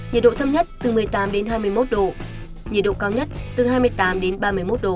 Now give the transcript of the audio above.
nhiệt độ thấp nhất từ một mươi tám hai mươi một độ nhiệt độ cao nhất từ hai mươi tám ba mươi một độ